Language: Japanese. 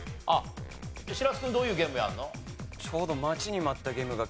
白洲君どういうゲームやるの？